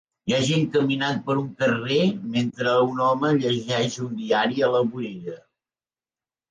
Hi ha gent caminant per un carrer mentre un home llegeix un diari a la vorera.